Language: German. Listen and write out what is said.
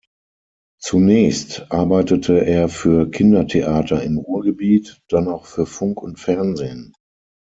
Zunächst arbeitete er für Kindertheater im Ruhrgebiet, dann auch für Funk und Fernsehen.